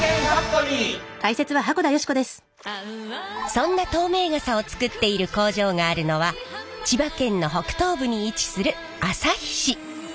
そんな透明傘を作っている工場があるのは千葉県の北東部に位置する旭市。